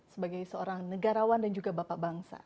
sebagai seorang negarawan dan juga bapak bangsa